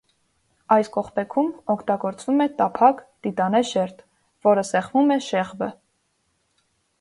Այս կողպեքում օգտագործվում է տափակ տիտանե շերտ, որը սեղմում է շեղբը։